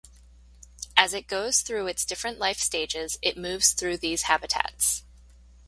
As it goes through its different life stages it moves through these habitats.